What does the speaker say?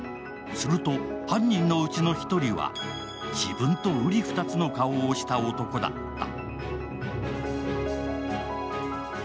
すると、犯人のうちの１人は自分と瓜二つの顔をした男だった。